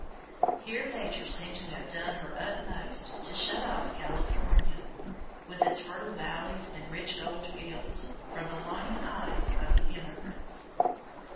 Here Nature seemed to have done her utmost to shut off California, with its fertile valleys and rich gold fields, from the longing eyes of the emigrants.